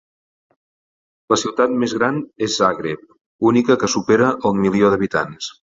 La ciutat més gran és Zagreb, única que supera el milió d'habitants.